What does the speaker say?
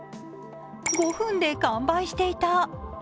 ５分で完売していた。